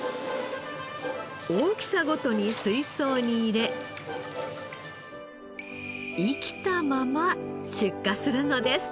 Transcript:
大きさごとに水槽に入れ生きたまま出荷するのです。